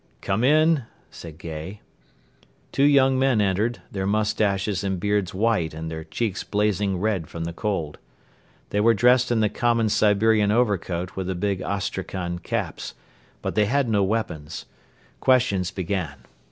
"Come in," said Gay. Two young men entered, their moustaches and beards white and their cheeks blazing red from the cold. They were dressed in the common Siberian overcoat with the big Astrakhan caps, but they had no weapons. Questions began.